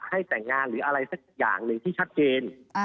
ให้แต่งงานหรืออะไรสักอย่างหนึ่งที่ชัดเจน